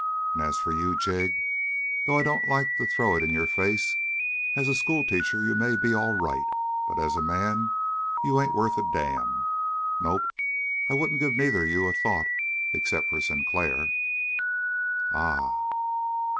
And as for you, Jig, though I don't like to throw it in your face, as a schoolteacher you may be all right, but as a man you ain't worth a damn. Nope. I won't give neither of you a thought except for Sinclair." "Ah?"